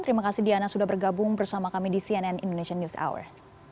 terima kasih diana sudah bergabung bersama kami di cnn indonesian news hour